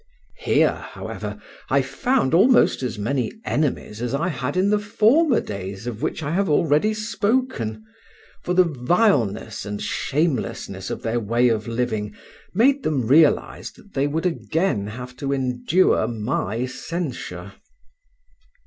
Here, however, I found almost as many enemies as I had in the former days of which I have already spoken, for the vileness and shamelessness of their way of living made them realize that they would again have to endure my censure.